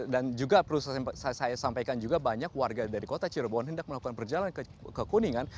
dan juga perlu saya sampaikan juga banyak warga dari kota cirebon hendak melakukan perjalanan ke kuningan